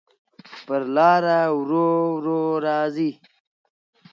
پر لاره ورو، ورو راځې